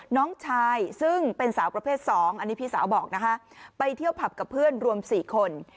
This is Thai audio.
น้องชายซึ่งเป็นสาวประเภท๒อันนี้พี่สาวบอกนะคะไปเที่ยวผับกับเพื่อนรวม๔คน